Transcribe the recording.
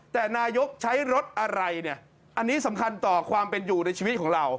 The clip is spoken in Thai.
แต่นายกใช้รถอะไรเนี่ยอันนี้สำคัญต่อความเป็นอยู่ในชีวิตของเรา